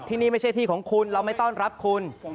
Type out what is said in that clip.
ที่นี่ไม่ใช่ที่ของคุณเราไม่ต้อนรับคุณ